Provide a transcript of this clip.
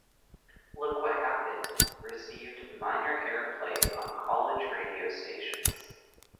"Look What Happened" received minor airplay on college radio stations.